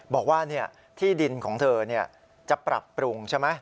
บอกว่าที่ดินของเธอจะปรับปรุงใช่ไหม